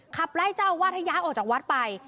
ขับไล่เจ้าอาวาสให้ย้ายออกจากวัดไป